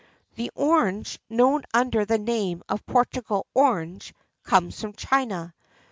The orange known under the name of "Portugal orange" comes from China.